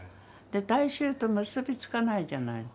大衆と結び付かないじゃない。